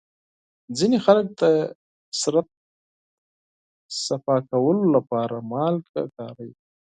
ځینې خلک د بدن پاکولو لپاره مالګه کاروي.